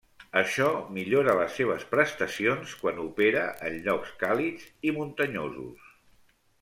Això millora les seves prestacions quan opera en llocs càlids i muntanyosos.